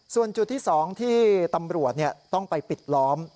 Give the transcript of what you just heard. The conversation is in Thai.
ส่วนจุดที่๒ที่ตำรวจต้องไปปิดล้อม